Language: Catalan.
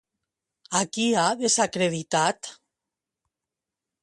A qui ha desacreditat?